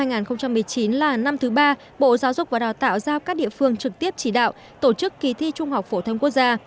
năm hai nghìn một mươi chín là năm thứ ba bộ giáo dục và đào tạo giao các địa phương trực tiếp chỉ đạo tổ chức kỳ thi trung học phổ thông quốc gia